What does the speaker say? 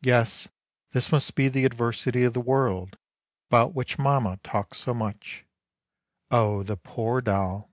Yes, this must be the adversity of the world, about which mama talked so much. Oh, the poor doll